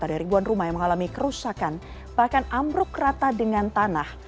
ada ribuan rumah yang mengalami kerusakan bahkan ambruk rata dengan tanah